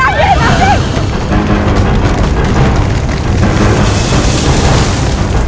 ya pak makasih ya pak